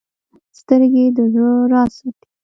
سترګې د زړه راز ساتي